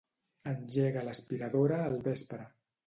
Engega l'aspiradora al vespre.